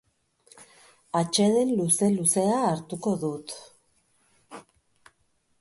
Atseden luze-luzea hartuko dut.